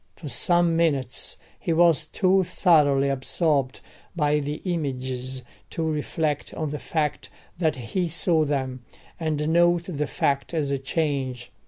For some minutes he was too thoroughly absorbed by the images to reflect on the fact that he saw them, and note the fact as a change.